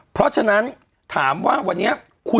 เพราะฉะนั้นถามว่าวันนี้